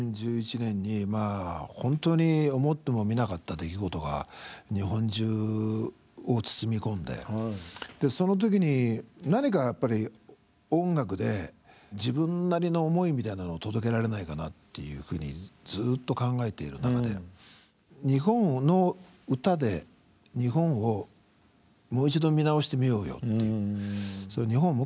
２０１１年に本当に思ってもみなかった出来事が日本中を包み込んでその時に何かやっぱり音楽で自分なりの思いみたいなのを届けられないかなっていうふうにずっと考えている中で日本の歌で日本をもう一度見直してみようよって日本